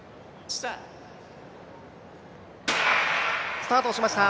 スタートしました。